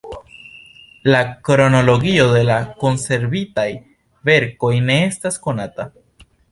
La kronologio de la konservitaj verkoj ne estas konata.